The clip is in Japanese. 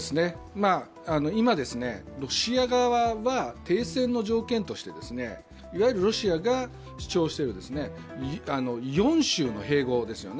今、ロシア側は停戦の条件としてロシアが主張している４州の併合ですよね。